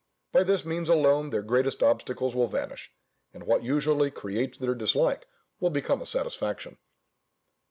By this means alone their greatest obstacles will vanish; and what usually creates their dislike, will become a satisfaction.